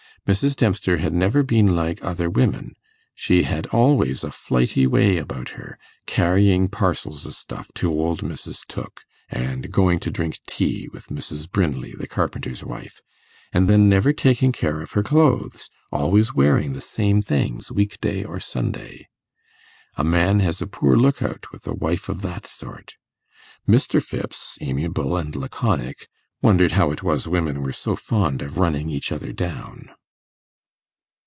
Mrs. Dempster had never been like other women; she had always a flighty way with her, carrying parcels of snuff to old Mrs. Tooke, and going to drink tea with Mrs. Brinley, the carpenter's wife; and then never taking care of her clothes, always wearing the same things week day or Sunday. A man has a poor look out with a wife of that sort. Mr. Phipps, amiable and laconic, wondered how it was women were so fond of running each other down.